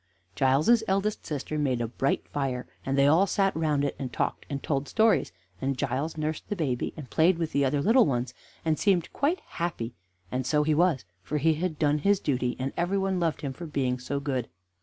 Giles's eldest sister made a bright fire, and they all sat round it and talked and told stories, and Giles nursed the baby, and played with the other little ones, and seemed quite happy, and so he was, for he had done his duty, and every one loved him for being so good.